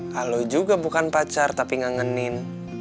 halo juga bukan pacar tapi ngengin